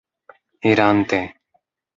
irante